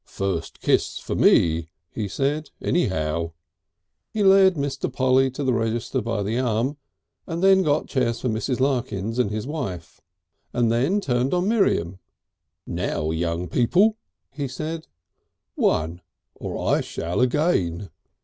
"First kiss for me," he said, "anyhow." He led Mr. Polly to the register by the arm, and then got chairs for Mrs. Larkins and his wife. He then turned on Miriam. "Now, young people," he said. "One! or I shall again."